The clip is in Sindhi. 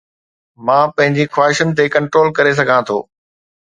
مان پنهنجي خواهشن تي ڪنٽرول ڪري سگهان ٿو